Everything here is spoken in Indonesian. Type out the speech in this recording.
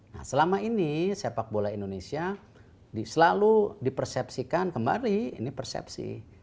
nah selama ini sepak bola indonesia selalu dipersepsikan kembali ini persepsi